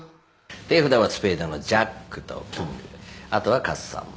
手札はスペードのジャックとキングあとはカス３枚。